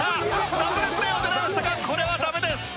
ダブルプレーを狙いましたがこれはダメです。